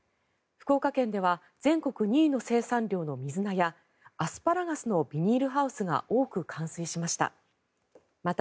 福岡県では全国２位の生産量の水菜やアスパラガスのビニールハウスが多く冠水しました。